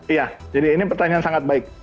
iya jadi ini pertanyaan sangat baik